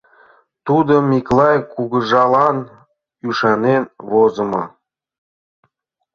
Тудым Миклай кугыжалан ӱшанен возымо.